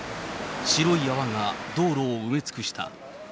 白い泡が道路を埋め尽くした。